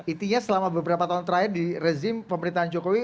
intinya selama beberapa tahun terakhir di rezim pemerintahan jokowi